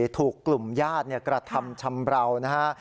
ถูกกลุ่มญาติกระทำชำราวนะฮะ